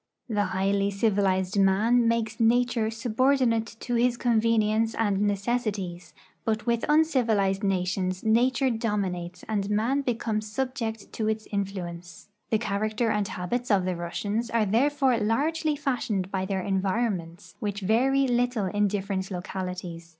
The highly civilized man makes nature subordinate to his 12 RUSSIA IX EUROPE convenience and necessities, but with uncivilized nations nature dominates and man becomes subject to its influence. The char acter and habits of the Russians are therefore largely fashioned by their environments, which vary little in different localities.